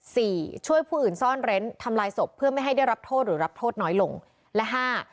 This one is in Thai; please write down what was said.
ช่วยผู้อื่นซ่อนเร้นทำลายศพเพื่อไม่ให้ได้รับโทษหรือรับโทษน้อยลงและห้า